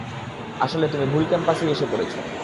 আসলে, তুমি ভুল ক্যাম্পাসেই এসে পড়েছো।